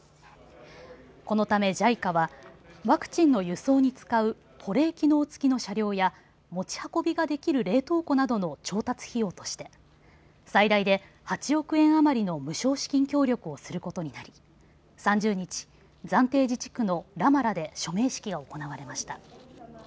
このためＪＩＣＡはワクチンの輸送に使う保冷機能付きの車両や持ち運びができる冷凍庫などの調達費用として最大で８億円余りの無償資金協力をすることになり３０日、暫定自治区のラマラで署名式が行われました。